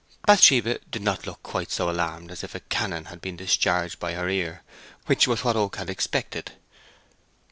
Bathsheba did not look quite so alarmed as if a cannon had been discharged by her ear, which was what Oak had expected.